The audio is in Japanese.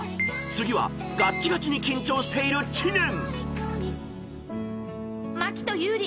［次はガッチガチに緊張している知念］